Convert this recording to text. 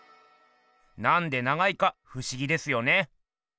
なんで長いかふしぎですよね。